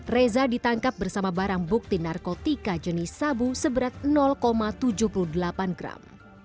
reza ditangkap bersama barang bukti narkotika jenis sabu seberat tujuh puluh delapan gram